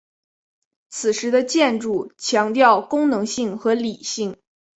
此时的建筑强调功能性和理性。